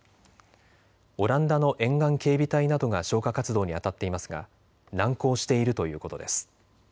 オランダの沿岸警備隊などが消火活動にあたっていますが難航しているということです。